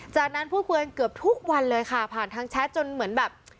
จากนั้นพูดคุยกันเกือบทุกวันเลยค่ะผ่านทางแชทจนเหมือนแบบ